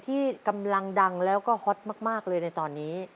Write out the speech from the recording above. ที่กำลังดังแล้วก็ฮอตมากเลยในตอนนี้